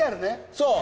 そう！